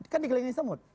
kan dikelilingi semut